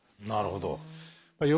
なるほど。